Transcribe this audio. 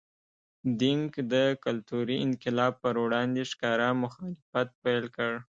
دینګ د کلتوري انقلاب پر وړاندې ښکاره مخالفت پیل کړ.